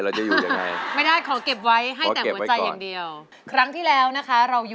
เราจะอยู่อย่างไร